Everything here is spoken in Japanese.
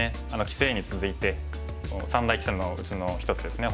棋聖に続いて三大棋戦のうちの一つですね